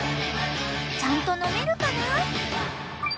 ［ちゃんと飲めるかな？］